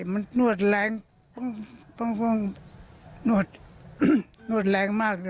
มันนวดแรงปุ้งนวดนวดแรงมากเลย